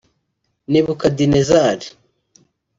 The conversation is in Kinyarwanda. Nebukadinezari